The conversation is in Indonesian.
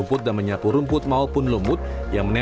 kita mempunyai tanggung jawab luar biasa bagi kita itu